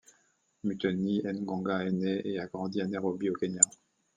Muthoni Ndonga est née et a grandi à Nairobi au Kenya.